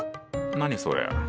何それ？